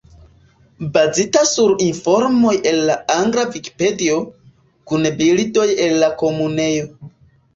Bazita sur informoj en la angla Vikipedio, kun bildoj el la Komunejo.